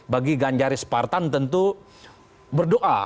bagi ganjaris partan tentu berdoa